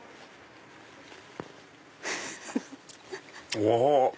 うわ！